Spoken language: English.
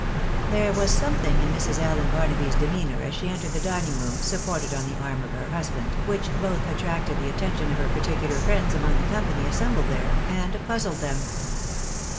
There was a something in Mrs. Allen Barnaby's demeanour as she entered the dining room, supported on the arm of her husband, which both attracted the attention of her particular friends among the company assembled there and puzzled them.